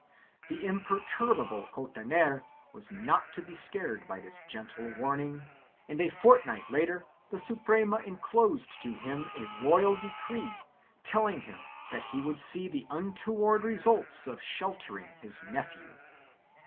The imperturbable Cotoner was not to be scared by this gentle warning and a fortnight later the Suprema enclosed to him a royal decree telling him that he would see the untoward results of sheltering his nephew.